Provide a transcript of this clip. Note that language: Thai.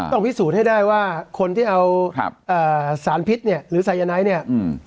ต้องพิสูจน์ให้ได้ว่าคนที่เอาสารพิษเนี่ยหรือสายน้อยเนี่ย